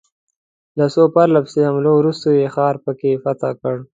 له څو پرله پسې حملو وروسته یې ښار په کې فتح کړ.